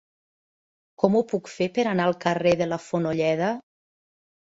Com ho puc fer per anar al carrer de la Fonolleda?